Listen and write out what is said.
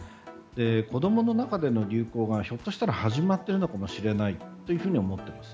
子供の中での流行がひょっとしたら始まっているのかもしれないと思っています。